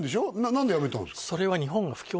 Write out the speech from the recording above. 何で辞めたんですか？